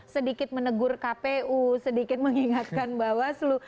sedikit menegur kpu sedikit mengingatkan bawaslu